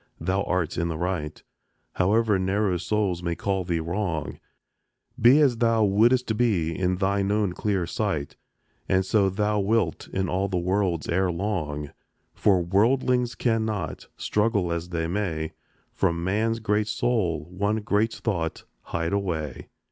thou art in the right, However narrow souls may call thee wrong; Be as thou wouldst be in thine own clear sight, And so thou wilt in all the world's ere long; For worldlings cannot, struggle as they may, From man's great soul one great thought hide away.